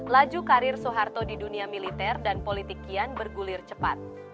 laju karir soeharto di dunia militer dan politik kian bergulir cepat